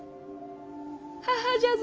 母じゃぞ。